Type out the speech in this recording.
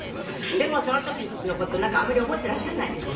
でもその時の事あまり覚えていらっしゃらないんですって？